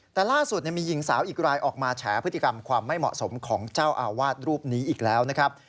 แต่ล่าสุดมีหญิงสาวอีกรายออกมาแฉพฤติกรรมความไม่เหมาะสมของเจ้าอาวาสรูปนี้อีกแล้วนะครับ